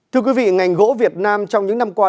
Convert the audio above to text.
thưa quý vị ngành gỗ việt nam trong những năm qua